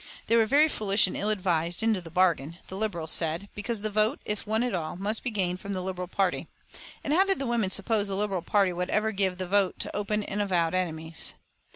They were very foolish and ill advised, into the bargain, the Liberals said, because the vote, if won at all, must be gained from the Liberal party; and how did the women suppose the Liberal party would ever give the vote to open and avowed enemies?